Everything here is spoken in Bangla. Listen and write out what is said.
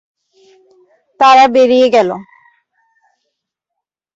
তারা বেড়িয়ে গেল।